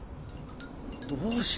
どうした。